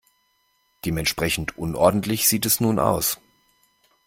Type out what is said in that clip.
Dementsprechend unordentlich sieht es nun aus.